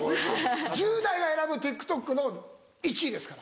１０代が選ぶＴｉｋＴｏｋの１位ですから。